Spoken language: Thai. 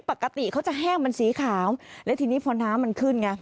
ปกติเขาจะแห้งมันสีขาวและทีนี้พอน้ำมันขึ้นไง